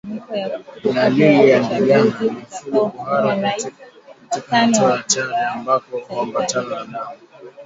Dalili ya ndigana ni mfugo kuhara katika hatua ya hatari ambako huambatana na damu